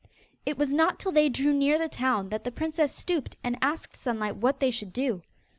It was not till they drew near the town that the princess stooped and asked Sunlight what they should do.